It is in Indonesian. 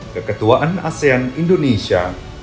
keketuaan asean indonesia dua ribu dua puluh tiga